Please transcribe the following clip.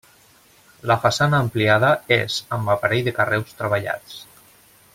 La façana ampliada és amb aparell de carreus treballats.